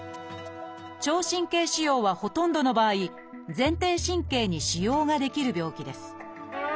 聴神経腫瘍はほとんどの場合前庭神経に腫瘍が出来る病気です。